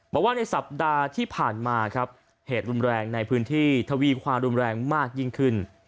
บอกว่าในสัปดาห์ที่ผ่านมาครับเหตุรุนแรงในพื้นที่ทวีความรุนแรงมากยิ่งขึ้น